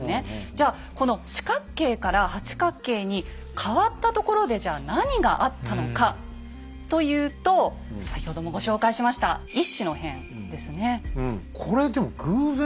じゃこの四角形から八角形に変わったところでじゃ何があったのかというと先ほどもご紹介しました乙巳の変ですね。